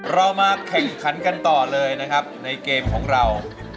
เรามาแข่งขันกันต่อเลยนะครับในเกมของเรา